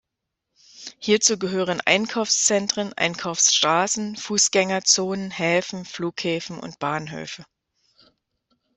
Hierzu gehören Einkaufszentren, Einkaufsstraßen, Fußgängerzonen, Häfen, Flughäfen und Bahnhöfe.